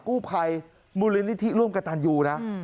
กู้ภัยมูลนิธิร่วมกับตันยูนะ